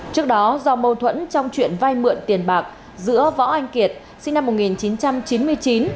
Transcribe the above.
trước đó do mâu thuẫn trong chuyện vay mượn tiền bạc giữa võ anh kiệt sinh năm một nghìn chín trăm chín mươi chín